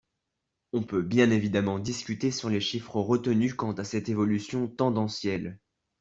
On peut bien évidemment discuter sur les chiffres retenus quant à cette évolution tendancielle.